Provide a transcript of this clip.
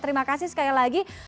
terima kasih sekali lagi